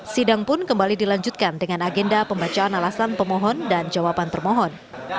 sidang pun kembali dilanjutkan dengan agenda pembacaan alasan pemohon dan jawaban termohon